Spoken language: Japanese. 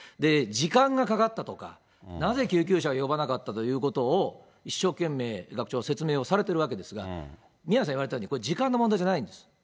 時間がかかったとか、なぜ救急車を呼ばなかったということを一生懸命、学長、説明をされてるわけですが、宮根さん言われたように、これ、時間の問題じゃないんです。